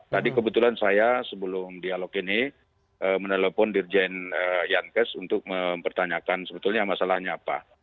tadi kebetulan saya sebelum dialog ini menelpon dirjen yankes untuk mempertanyakan sebetulnya masalahnya apa